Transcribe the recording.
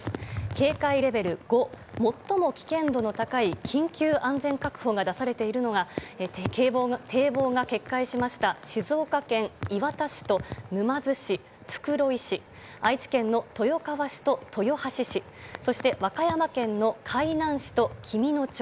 警戒レベル５、最も危険度の高い緊急安全確保が出されているのが堤防が決壊しました静岡県磐田市と沼津市、袋井市愛知県の豊川市と豊橋市和歌山県の海南市と紀美野町。